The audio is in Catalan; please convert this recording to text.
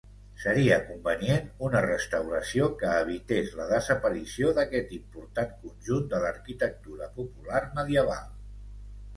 Seria convenient una restauració que evités la desaparició d'aquest important conjunt de l'arquitectura popular medieval.